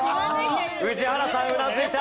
宇治原さんうなずいた。